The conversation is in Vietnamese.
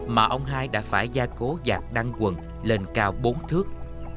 mà ông hai đã phải gia cố giạc đăng quần lên cao bốn thước